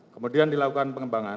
kemudian dilakukan pengembangan